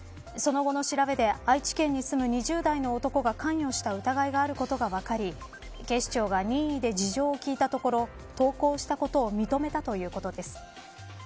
その後の調べで愛知県に住む２０代の男が関与した疑いがあることが分かり警視庁が任意で事情を聴いたところ投稿したことを認めたということです。